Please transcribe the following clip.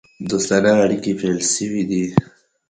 دوستانه اړېکي پیل سوي وه.